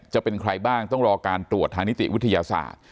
จะเป็นใครบ้างต้องรอการตรวจทางนิติวิทยาศาสตร์